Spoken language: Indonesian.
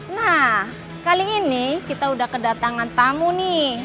nah kali ini kita udah kedatangan tamu nih